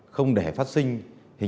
không để phát sinh